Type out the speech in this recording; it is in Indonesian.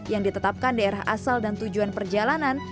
yang ditetapkan daerah asal dan tujuan perjalanan